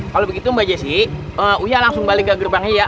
kalau begitu mbak jessi iya langsung balik ke gerbangnya ya